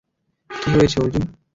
কী হয়েছে, অর্জুন?